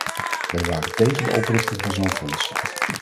Wij waren tegen de oprichting van zo'n fonds.